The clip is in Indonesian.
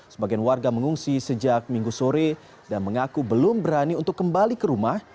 sebagian warga mengungsi sejak minggu sore dan mengaku belum berani untuk kembali ke rumah